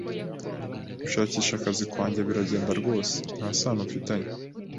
Gushakisha akazi kwanjye biragenda rwose. Nta sano mfitanye.